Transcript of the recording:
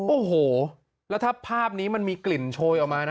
โอ้โหแล้วถ้าภาพนี้มันมีกลิ่นโชยออกมานะ